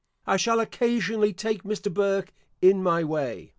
I shall occasionally take Mr. Burke in my way.